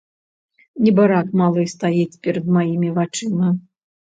Небарак малы стаіць перад маімі вачыма.